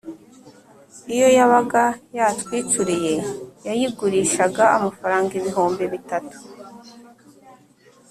iyo yabaga yatwicuriye yayigurishaga amafaranga ibihumbi bitatu.